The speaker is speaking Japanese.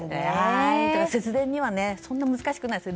節電はそんな難しくないです。